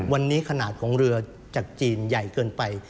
วันนี้ขนาดของเรือจากจีนใหญ่เกินไป